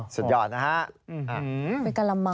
อ๋อสุดยอดนะครับ